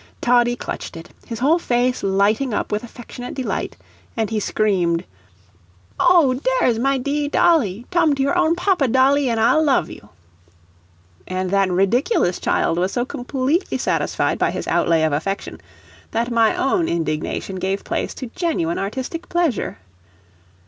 Toddie clutched it, his whole face lighting up with affectionate delight, and he screamed: "Oh, dare is my dee dolly: tum to your own papa, dolly, an' I'll love you." And that ridiculous child was so completely satisfied by his outlay of affection that my own indignation gave place to genuine artistic pleasure.